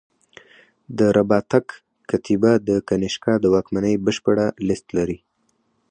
د رباطک کتیبه د کنیشکا د واکمنۍ بشپړه لېست لري